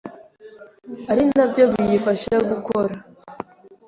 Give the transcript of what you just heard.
ari na byo biyifasha gukora